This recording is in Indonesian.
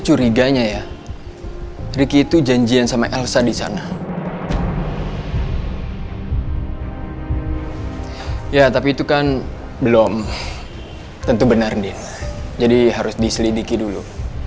curiganya ya ricky itu janjian sama elsa di sana ya tapi itu kan belum tentu benar din jadi harus diselidiki dulu